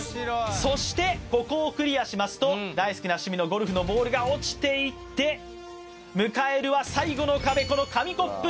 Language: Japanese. そしてここをクリアしますと大好きな趣味のゴルフのボールが落ちていって迎えるは最後の壁